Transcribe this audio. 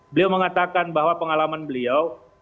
beliau mengatakan bahwa pengalaman beliau